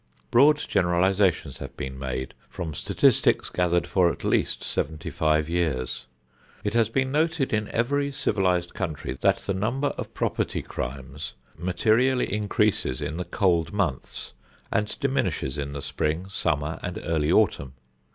Broad generalizations have been made from statistics gathered for at least seventy five years. It has been noted in every civilized country that the number of property crimes materially increases in the cold months and diminishes in the spring, summer and early autumn.